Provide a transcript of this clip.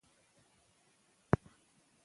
هغه قدم چې وهل کېږي وینه خوځوي.